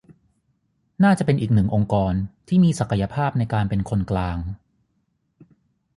น่าจะเป็นอีกหนึ่งองค์กรที่มีศักยภาพในการเป็นคนกลาง